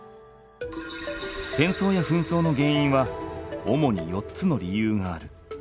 戦争や紛争の原因は主に４つの理由がある。